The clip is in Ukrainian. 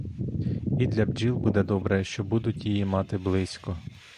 І для бджіл буде добре, що будуть її мати близько.